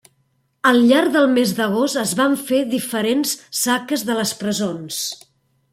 Al llarg del mes d'agost es van fent diferents saques de les presons.